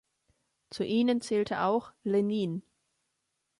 Zu ihnen zählte auch Lenin.